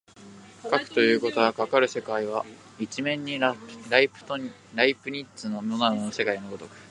かくいうことは、かかる世界は一面にライプニッツのモナドの世界の如く